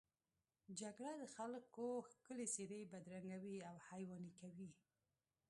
جګړه د خلکو ښکلې څېرې بدرنګوي او حیواني کوي